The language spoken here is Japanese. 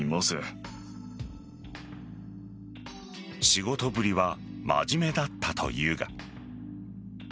仕事ぶりは真面目だったというが。